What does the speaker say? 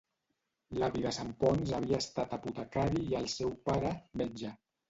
L'avi de Santponç havia estat apotecari i el seu pare, metge.